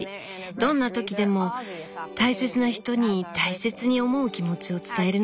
どんな時でも大切な人に大切に思う気持ちを伝えるのが一番です。